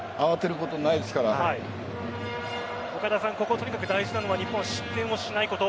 ここ、とにかく大事なのは日本は失点しないこと。